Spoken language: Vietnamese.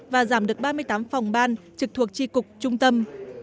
và giảm được ba mươi tám phòng ban trực thuộc tri cục trung tâm